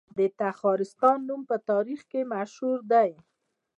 د تخارستان نوم په تاریخ کې مشهور دی